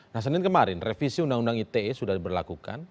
nah senin kemarin revisi undang undang ite sudah diberlakukan